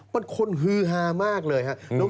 มันคนฮือฮามากเลยครับ